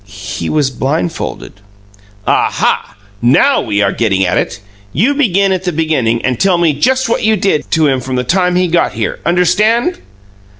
"He he was blindfolded." "Aha! NOW we're getting at it. You begin at the beginning and tell me just what you did to him from the time he got here. Understand?"